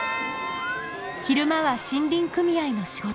昼間は森林組合の仕事。